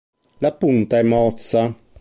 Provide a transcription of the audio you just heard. La punta è mozza.